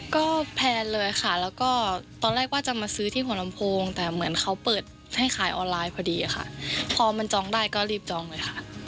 ก็แพลนเลยค่ะแล้วก็ตอนแรกว่าจะมาซื้อที่หัวลำโพงแต่เหมือนเขาเปิดให้ขายออนไลน์พอดีค่ะพอมันจองได้ก็รีบจองเลยค่ะ